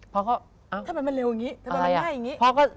พอเขาทำไมมันเร็วอย่างนี้ทำไมมันไหม้อย่างนี้